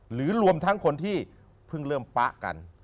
รวมทั้งคนที่เพิ่งเริ่มปะกัน